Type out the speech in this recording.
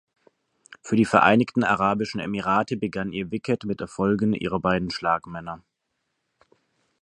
Für die Vereinigten Arabischen Emirate begann ihr Wicket mit Erfolgen ihrer beiden Schlagmänner.